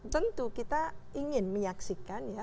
tentu kita ingin menyaksikan ya